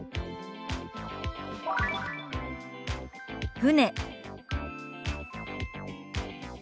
「船」。